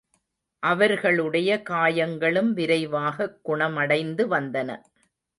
அவர்களுடைய காயங்களும் விரைவாகக் குணமடைந்து வந்தன.